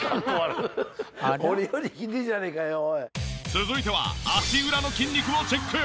続いては足裏の筋肉をチェック。